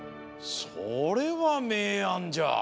それはめいあんじゃ。